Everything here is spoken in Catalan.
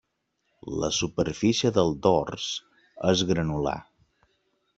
La superfície del dors és granular.